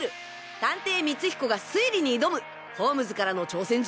探偵光彦が推理に挑むホームズからの挑戦状？